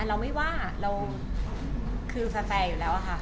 เราไม่ว่าเราคือแฟร์อยู่แล้วอะค่ะ